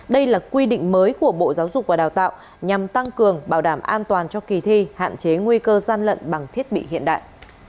đây là quy định mới của bộ giáo dục và đào tạo nhằm tăng cường bảo đảm an toàn cho kỳ thi hạn chế nguy cơ gian lận bằng thiết bị hiện đại